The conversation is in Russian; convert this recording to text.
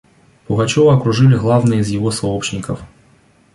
Пугачева окружили главные из его сообщников.